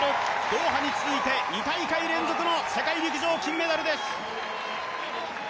ドーハに続いて、２大会連続の世界陸上金メダルです！